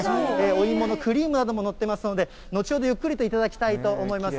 お芋のクリームなども載っていますので、後ほどゆっくりと頂きたいと思います。